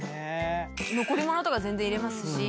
残り物とか全然入れますし